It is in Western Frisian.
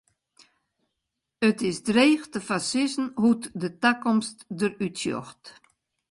It is dreech te foarsizzen hoe't de takomst der út sjocht.